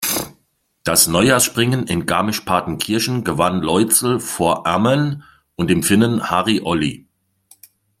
Das Neujahrsspringen in Garmisch-Partenkirchen gewann Loitzl vor Ammann und dem Finnen Harri Olli.